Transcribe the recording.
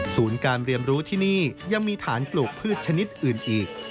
การเรียนรู้ที่นี่ยังมีฐานปลูกพืชชนิดอื่นอีก